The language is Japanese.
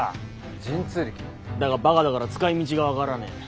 神通力？だがバカだから使いみちが分からねえ。